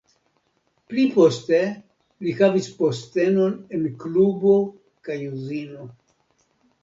Pli poste li havis postenon en klubo kaj uzino.